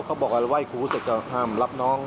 เขาบอกว่าไหว้ครูเสร็จก็ห้ามรับน้อง